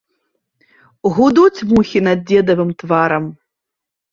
Гудуць мухі над дзедавым тварам.